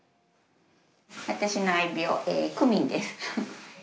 私の愛猫クミンです。